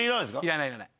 いらないいらない。